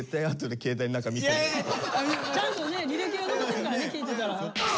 ちゃんとね履歴が残ってるからね聴いてたら。